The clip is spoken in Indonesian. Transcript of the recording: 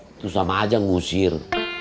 itu sama aja ngusir